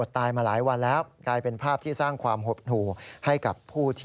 แต่ว่าน้ำท่วมนะครับ